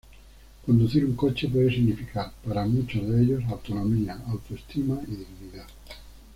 Conducir un coche puede significar, para muchos de ellos, autonomía, autoestima y dignidad.